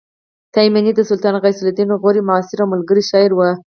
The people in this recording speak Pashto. تایمني د سلطان غیاث الدین غوري معاصر او ملګری شاعر و